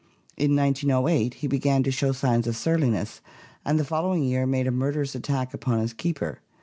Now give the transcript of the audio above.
In 1908 he began to show signs of surliness and the following year made a murderous attack upon his keeper.